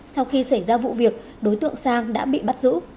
sau khi xảy ra vụ việc đối tượng sang đã bị bắt giữ